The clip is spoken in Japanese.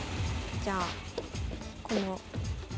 じゃあこの下側？